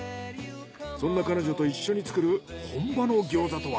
そんな彼女と一緒に作る本場の餃子とは。